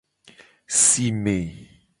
Sime.